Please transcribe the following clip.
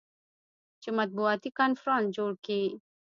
چې مطبوعاتي کنفرانس جوړ کي.